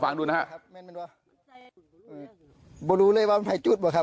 เปล่ารู้เลยว่าอะไรจูตบ้าครับ